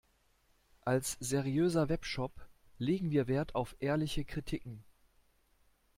Als seriöser Webshop legen wir Wert auf ehrliche Kritiken.